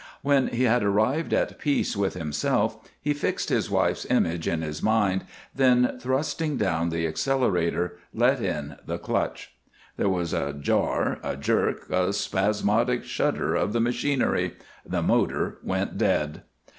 When he had arrived at peace with himself he fixed his wife's image in his mind, then, thrusting down the accelerator, let in the clutch. There was a jar, a jerk, a spasmodic shudder of the machinery; the motor went dead.